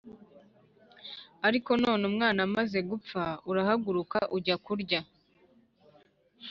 ariko none umwana amaze gupfa urahaguruka ujya kurya.